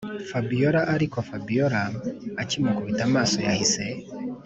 fabiora ariko fabiora akimukubita amaso yahise